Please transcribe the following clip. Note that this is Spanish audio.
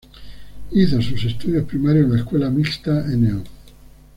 Hizo sus estudios primarios en la Escuela Mixta No.